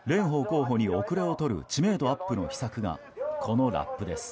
蓮舫候補に後れを取る知名度アップの秘策がこのラップです。